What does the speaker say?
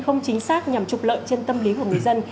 không chính xác nhằm trục lợi trên tâm lý của người dân